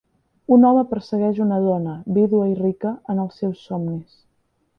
Un home persegueix una dona, vídua i rica, en els seus somnis.